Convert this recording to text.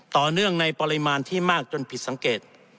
เนื่องในปริมาณที่มากจนผิดสังเกต